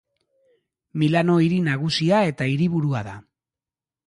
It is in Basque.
Milano hiri nagusia eta hiriburua da.